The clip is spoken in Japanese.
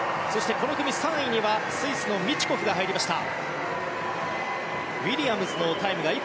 この組３位にはスイスのミチュコフが入りました。